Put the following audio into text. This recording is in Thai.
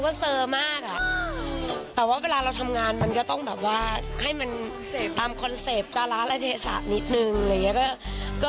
เพราะว่าเวลาเราเดินอยู่แล้วผู้จำแม่ตลอดว่าเดินแล้วมันไม่ง่ายใจมันไม่โอเค